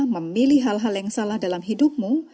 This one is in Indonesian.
memilih hal hal yang salah dalam hidupmu